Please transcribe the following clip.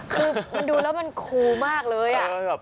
คือมันดูแล้วมันคูมากเลย